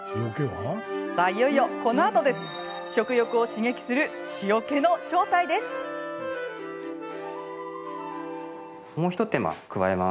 さあ、いよいよ、このあと食欲を刺激する塩気の正体です。